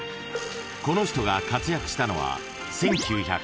［この人が活躍したのは］